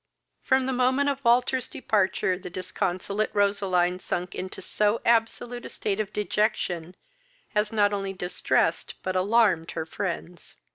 From the moment of Walter's departure the disconsolate Roseline sunk into so absolute a state of dejection, as not only distressed but alarmed her friends.